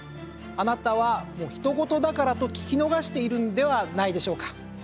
あなたはひとごとだからと聞き逃しているんではないでしょうか？